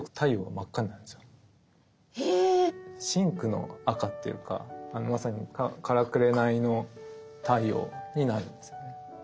深紅の赤っていうかまさにからくれないの太陽になるんですよね。